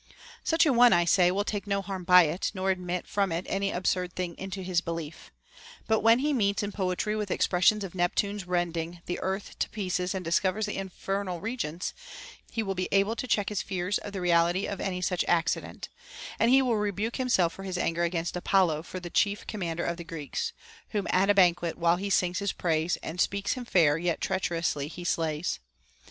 47 such a one, I say, will take no harm by it, nor admit from it any absurd thing into his belief. But when he meets in poetry with expressions of Neptune's rending the earth to pieces and discovering the infernal regions,* he will be able to check his fears of the reality of any such accident ; and he will rebuke himself for his anger against Apollo for the chief commander of the Greeks, — Whom at a banquet, whiles he sings his praise And speaks him fair, yet treacherously he slays.